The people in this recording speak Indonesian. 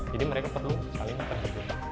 jadi mereka perlu saling terhubung